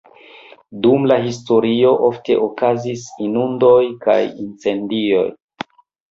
Dum la historio ofte okazis inundoj kaj incendioj.